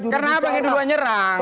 karena abang yang duluan nyerang